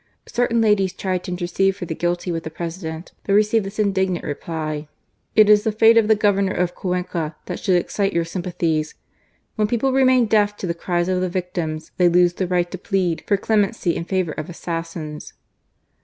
Certadn ladies tried fo intercede for the guilty with the President, but received this indignant reply: )t i^ tl^ £atte of the Governor of Cuenca that jdioul4 excite your qnnpathies. When people remain deaf ta the cries of the victims, they lose the right to plead for clemency in &vour of assassins."